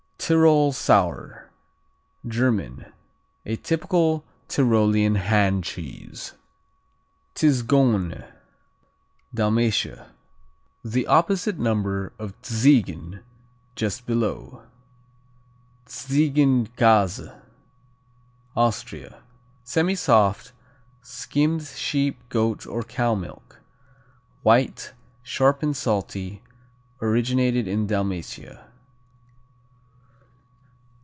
Tyrol Sour German A typical Tyrolean hand cheese. Tzgone Dalmatia The opposite number of Tzigen, just below. Tzigenkäse Austria Semisoft; skimmed sheep, goat or cow milk. White; sharp and salty; originated in Dalmatia.